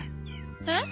えっ？